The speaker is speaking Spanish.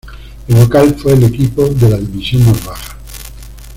El local fue el equipo de la división más baja.